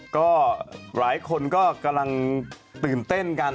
ก็หลายคนก็กำลังตื่นเต้นกัน